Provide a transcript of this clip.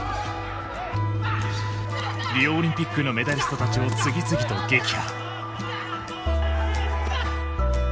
リオオリンピックのメダリストたちを次々と撃破。